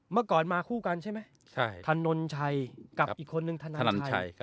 เมื่อก่อนมาคู่กันใช่ไหมถนนชัยกับอีกคนนึงธนชัย